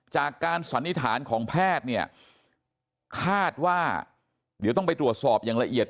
สันนิษฐานของแพทย์เนี่ยคาดว่าเดี๋ยวต้องไปตรวจสอบอย่างละเอียด